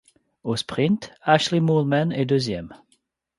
Au sprint Ashleigh Moolman est deuxième.